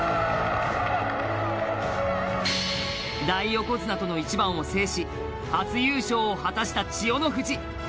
大横綱との一番を制し初優勝を果たした千代の富士。